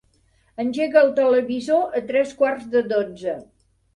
Engega el televisor a tres quarts de dotze.